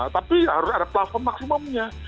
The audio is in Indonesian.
tapi harus ada platform maksimumnya